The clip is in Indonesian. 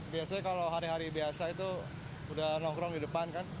biasanya kalau hari hari biasa itu udah nongkrong di depan kan